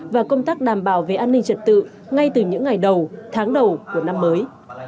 và công tác đảm bảo về an ninh trật tự ngay từ những ngày đầu tháng đầu của năm mới